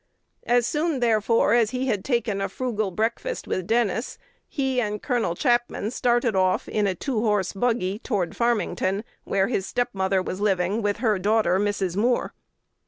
As soon, therefore, as he had taken a frugal breakfast with Dennis, he and Col. Chapman started off in a "two horse buggy" toward Farmington, where his step mother was living with her daughter, Mrs. Moore.